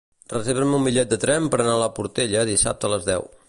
Reserva'm un bitllet de tren per anar a la Portella dissabte a les deu.